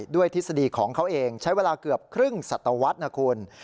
ทฤษฎีของเขาเองใช้เวลาเกือบครึ่งสัตวรรษนะคุณ